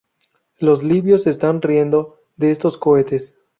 Los libios están riendo de estos cohetes.